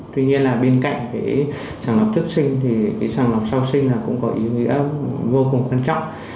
tuy nhiên là bên cạnh sàng lọc trước sinh thì sàng lọc sau sinh cũng có ý nghĩa vô cùng quan trọng